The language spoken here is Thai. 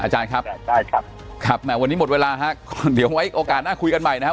อาจารย์ครับวันนี้หมดเวลาครับเดี๋ยวไว้โอกาสน่าคุยกันใหม่นะครับ